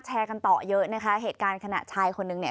แชร์กันต่อเยอะนะคะเหตุการณ์ขณะชายคนนึงเนี่ย